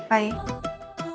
kamu udah bikin aku sakit hati